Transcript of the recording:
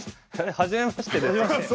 はじめましてです。